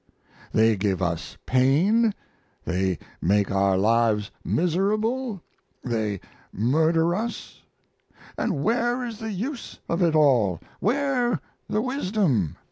They give us pain, they make our lives miserable, they murder us and where is the use of it all, where the wisdom?